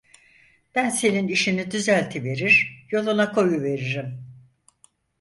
Ben senin işini düzeltiverir, yoluna koyuveririm.